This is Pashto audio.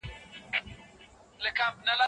د پرمختیا او ودي ترمنځ توپیر په سمه توګه وڅېړئ.